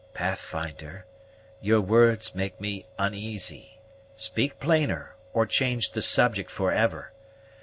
"Pathfinder, your words make me uneasy. Speak plainer, or change the subject for ever.